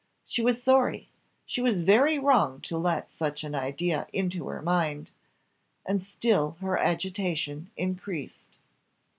She was sorry, she was very wrong to let such an idea into her mind and still her agitation increased.